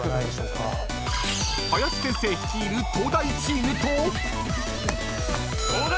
［林先生率いる東大チームと］